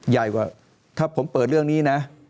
ใหญ่กว่าถ้าผมเปิดเรื่องนี้นะ